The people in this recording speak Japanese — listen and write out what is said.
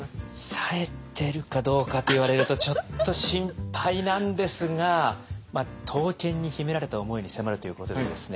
冴えてるかどうかと言われるとちょっと心配なんですが刀剣に秘められた思いに迫るということでですね